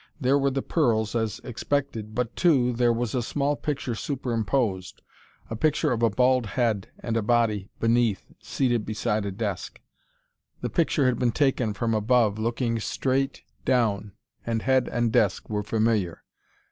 There were the pearls as expected, but, too, there was a small picture superimposed a picture of a bald head and a body beneath seated beside a desk. The picture had been taken from above looking straight down, and head and desk were familiar.